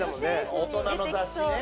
大人の雑誌ね。